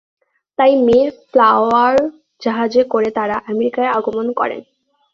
তাই May flower জাহাজে করে তাঁরা আমেরিকায় আগমন করেন।